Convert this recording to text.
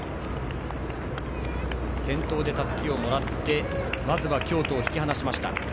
先頭でたすきをもらってまずは京都を引き離しました。